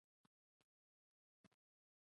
په فېسبوک کې خلک د خپلو کارونو لپاره مشورې اخلي